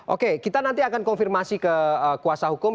oke kita nanti akan konfirmasi ke kuasa hukum